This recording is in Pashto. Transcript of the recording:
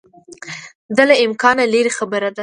دا له امکانه لیري خبره ده.